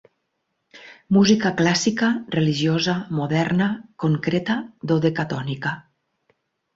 Música clàssica, religiosa, moderna, concreta, dodecatònica.